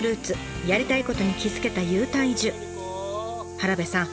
原部さん